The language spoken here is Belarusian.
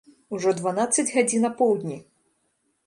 Ужо дванаццаць гадзін апоўдні.